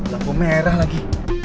lampu merah lagi